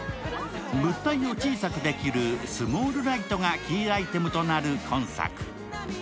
物体を小さくできるスモールライトがキーアイテムとなる今作。